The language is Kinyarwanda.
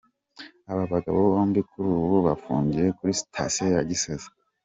Aba bagabo bombi kuri ubu bafungiye kuri sitasiyo ya Gisozi.